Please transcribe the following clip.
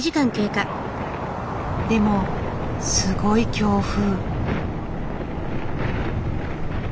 でもすごい強風。